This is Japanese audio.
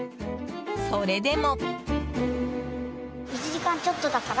それでも。